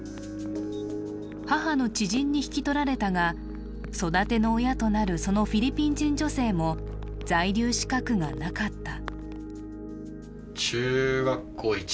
母の知人に引き取られたが育ての親となるそのフィリピン人女性も在留資格がなかった。